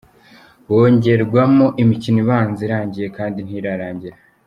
Bongerwamo imikino ibanza irangiye kandi ntirarangira.”